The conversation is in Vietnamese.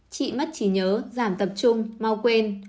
trị mất trí nhớ giảm tập trung mau quên